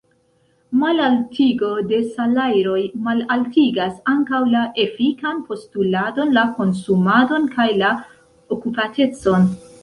Malaltigo de salajroj malaltigas ankaŭ la efikan postuladon, la konsumadon kaj la okupatecon.